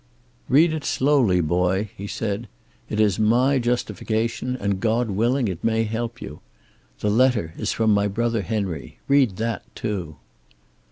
"Read it slowly, boy," he said. "It is my justification, and God willing, it may help you. The letter is from my brother, Henry. Read that, too."